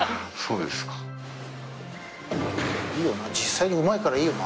いいよな実際にうまいからいいよな。